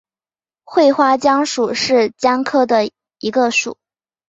喙花姜属是姜科下的一个属。